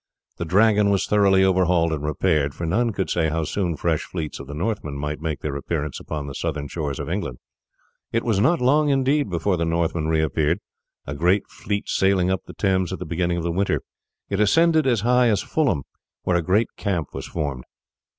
The Dragon was thoroughly overhauled and repaired, for none could say how soon fresh fleets of the Northmen might make their appearance upon the southern shores of England. It was not long, indeed, before the Northmen reappeared, a great fleet sailing up the Thames at the beginning of the winter. It ascended as high as Fulham, where a great camp was formed.